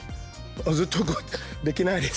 ずっと動いてできないです。